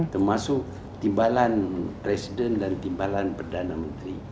termasuk timbalan presiden dan timbalan perdana menteri disingkir dia